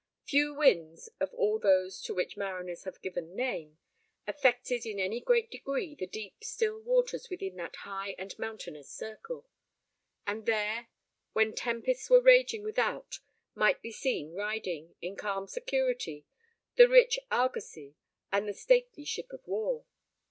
Few winds, of all those to which mariners have given name, affected in any great degree the deep still waters within that high and mountainous circle; and there, when tempests were raging without, might be seen riding, in calm security, the rich argosie and the stately ship of war.